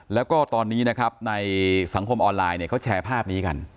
และในสังคมออนไลน์เขาแชร์ภาพนี้กัน